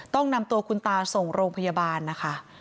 ต้องนำตัวคุณตาส่งโรงพยาบาลนะคะ